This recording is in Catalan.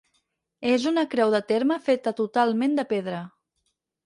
És una creu de terme feta totalment de pedra.